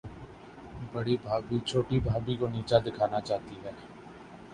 بڑی بھابھی، چھوٹی بھابھی کو نیچا دکھانا چاہتی ہے۔